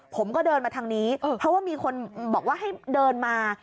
ผมก็เดินมาทางนี้เพราะว่ามีคนบอกว่าให้เดินมา